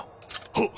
はっ。